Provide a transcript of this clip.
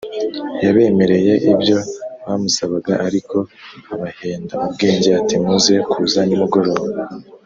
Yabemereye ibyo bamusabaga, ariko abahenda ubwenge ati muze kuza nimugoroba